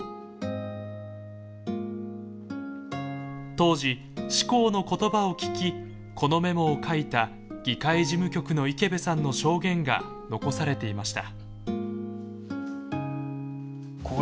当時志功の言葉を聞きこのメモを書いた議会事務局の池邊さんの証言が残されていました。